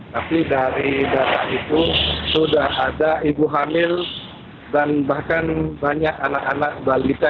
tapi dari data itu sudah ada ibu hamil dan bahkan banyak anak anak balita